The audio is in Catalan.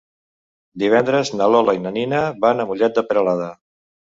Divendres na Lola i na Nina van a Mollet de Peralada.